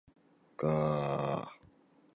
がががががが